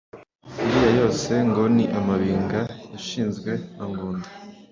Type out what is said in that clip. iriya yose ngo ni amabimba yashinzwe na Ngunda